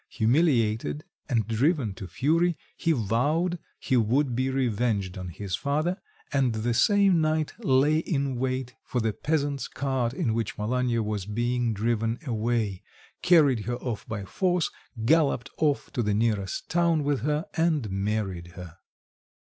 Humiliated and driven to fury, he vowed he would be revenged on his father, and the same night lay in wait for the peasant's cart in which Malanya was being driven away, carried her off by force, galloped off to the nearest town with her and married her.